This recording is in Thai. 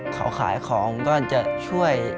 เขาขายของก็จะช่วย